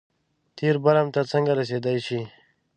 تېر برم ته څنګه رسېدای شي.